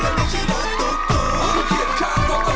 มันไม่ใช่รถประทุกข์มันไม่ใช่รถตุ๊กตุ๊ก